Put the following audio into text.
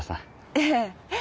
ええ。